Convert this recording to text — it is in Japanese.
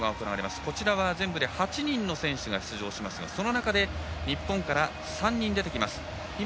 こちらは全部で８人の選手が出場しますがその中で日本から３人出てきます。